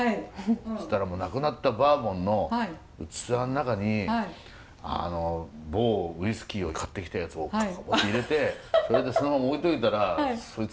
そしたらなくなったバーボンの器の中に某ウイスキーを買ってきたやつをガポガポって入れてそれでそのまま置いといたらそいつ